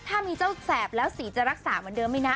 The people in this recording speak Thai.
ถ้ามีเจ้าแสบแล้วสีจะรักษาเหมือนเดิมไหมนะ